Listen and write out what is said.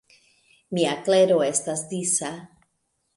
Mia klero estas disa.